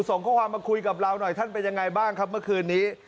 ส่งข้อความมาคุยกับเราหน่อยท่านเป็นยังไงบ้างครับเมื่อคืนนี้